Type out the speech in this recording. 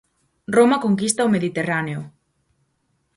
Roma conquista o Mediterráneo.